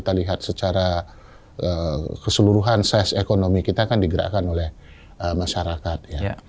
kita lihat secara keseluruhan size ekonomi kita kan digerakkan oleh masyarakat ya